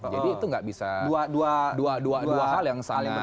jadi itu tidak bisa dua hal yang saling bergantung